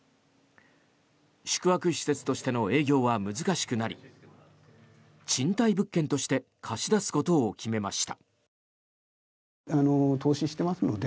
宿泊施設としての営業は難しくなり賃貸物件として貸し出すことを決めました。